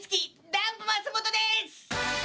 ダンプ松本です。